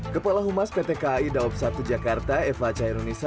kepala humas pt kai daob satu jakarta eva cairunisa